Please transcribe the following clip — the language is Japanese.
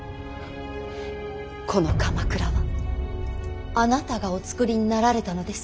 この鎌倉はあなたがおつくりになられたのです。